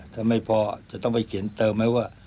ถ้าไม่พอจะต้องไปเขียนเติมไหมว่า